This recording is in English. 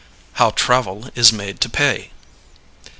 HOW TRAVEL IS MADE TO PAY.